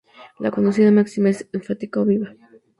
La conocida máxima es enfática, o viva.